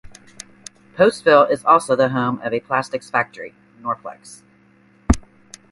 Postville is also the home of a plastics factory, Norplex.